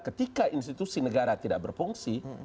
ketika institusi negara tidak berfungsi